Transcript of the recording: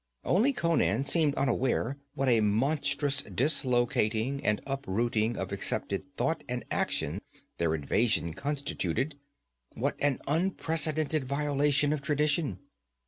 Only Conan seemed unaware what a monstrous dislocating and uprooting of accepted thought and action their invasion constituted, what an unprecedented violation of tradition.